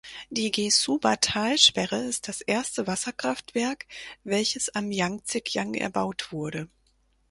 Die Gezhouba-Talsperre ist das erste Wasserkraftwerk, welches am Jangtsekiang erbaut wurde.